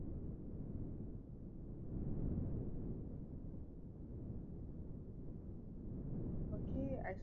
The Germans had invented a cheaper artificial dye so the demand for indigo fell.